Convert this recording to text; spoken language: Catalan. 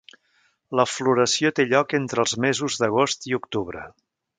La floració té lloc entre els mesos d'agost i octubre.